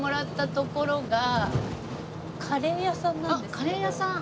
あっカレー屋さん！